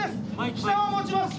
下を持ちます。